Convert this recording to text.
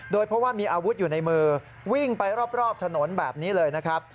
เพราะว่ามีอาวุธอยู่ในมือวิ่งไปรอบถนนแบบนี้เลยนะครับ